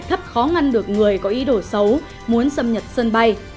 thấp khó ngăn được người có ý đồ xấu muốn xâm nhập sân bay